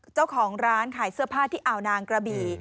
เจ้าของร้านขายเสื้อผ้าที่อ่าวนางกระบี่